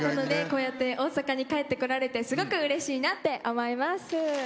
こうやって大阪に帰ってこられてすごくうれしいなって思います。